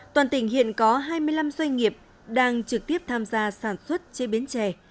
toàn tỉnh hiện có hai mươi năm doanh nghiệp đang trực tiếp tham gia sản xuất chế biến chè